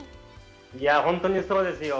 本当にそうですよ。